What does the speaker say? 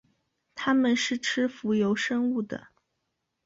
它们是吃浮游生物的。